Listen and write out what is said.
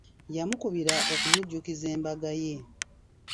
Yamukubira okumujjukiza embaga ye.